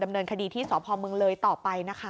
เนินคดีที่สพมเลยต่อไปนะคะ